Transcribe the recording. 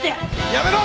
やめろ！